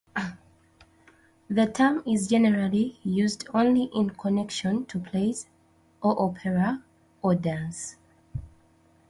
The term is generally used only in connection to plays, or opera, or dance.